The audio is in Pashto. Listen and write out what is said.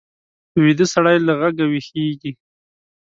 ویده سړی له غږه ویښېږي